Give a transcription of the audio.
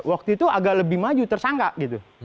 waktu itu agak lebih maju tersangka gitu